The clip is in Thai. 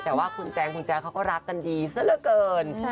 แต่ว่าคุณแจ๊คก็รักกันดีซะแล้วเกิน